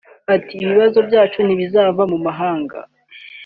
Ati “ Ibisubizo byacu ntibizava mu mahanga